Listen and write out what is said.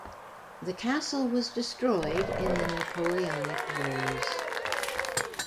The castle was destroyed in the Napoleonic wars.